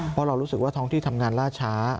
เพราะเรารู้สึกว่าท้องที่ทำงานล่าช้า